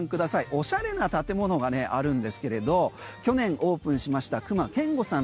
おしゃれな建物があるんですけれど去年オープンしました隈研吾さん